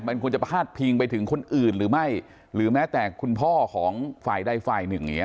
มันควรจะพาดพิงไปถึงคนอื่นหรือไม่หรือแม้แต่คุณพ่อของฝ่ายใดฝ่ายหนึ่งอย่างเงี้